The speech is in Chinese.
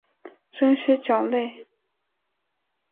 真蜥脚类。